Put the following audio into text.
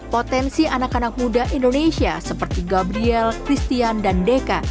potensi anak anak muda indonesia seperti gabriel christian dan deka